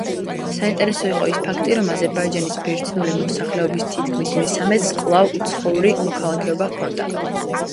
საინტერესო იყო ის ფაქტი, რომ აზერბაიჯანის ბერძნული მოსახლეობის თითქმის მესამედს კვლავ უცხოური მოქალაქეობა ჰქონდა.